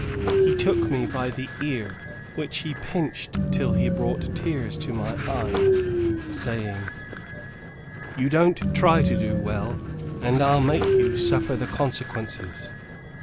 He took me by the ear which he pinched till he brought tears to my eyes, saying, "You don't try to do well, and I'll make you suffer the consequences."